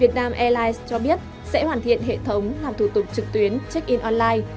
việt nam airlines cho biết sẽ hoàn thiện hệ thống làm thủ tục trực tuyến check in online